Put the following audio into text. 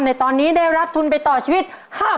ในตอนนี้ได้รับทุนไปต่อชีวิต๕๐๐บาท